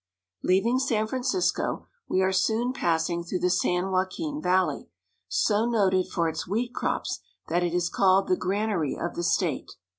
Leaving San Francisco, we are soon passing through the San Joaquin Valley, so noted for its wheat crops that it is called the granary of the state.